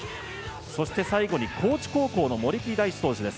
そして最後に高知高校の森木大智投手です。